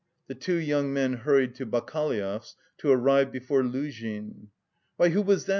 The two young men hurried to Bakaleyev's, to arrive before Luzhin. "Why, who was that?"